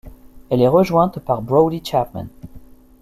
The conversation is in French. Elle est rejointe par Brodie Chapman.